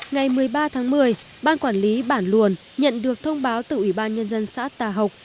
ngày một mươi ba tháng một mươi ban quản lý bản luồn nhận được thông báo từ ủy ban nhân dân xã tà học